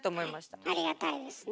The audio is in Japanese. ありがたいですね。